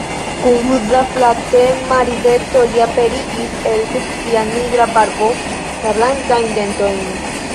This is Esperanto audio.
Kun ruza, flatema rideto li aperigis el sub sia nigra barbo la blankajn dentojn.